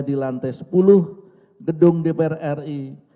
di lantai sepuluh gedung dpr ri